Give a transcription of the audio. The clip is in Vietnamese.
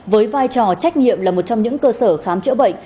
với vai trò trách nhiệm là một trong những cơ sở khám chữa bệnh